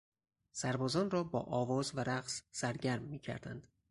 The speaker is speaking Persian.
سربازان را با آواز و رقص سرگرم میکردند.